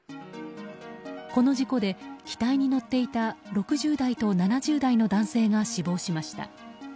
この事故で、機体に乗っていた６０代と７０代の男性が死亡しました。